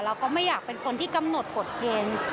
เราก็ไม่อยากเป็นคนที่กำหนดกฎเกณฑ์